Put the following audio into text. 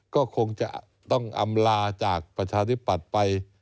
ก็คงจะต้องอำลาจากประชาธิปัตย์ไป